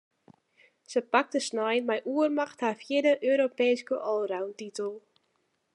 Se pakte snein mei oermacht har fjirde Europeeske allroundtitel.